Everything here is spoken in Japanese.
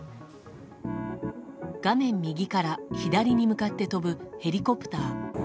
画面右から左に向かって飛ぶヘリコプター。